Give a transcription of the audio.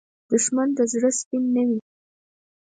دښمن د زړه سپین نه وي